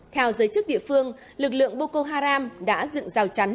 theo giới chức địa phương lực lượng boko haram đã dựng rào trang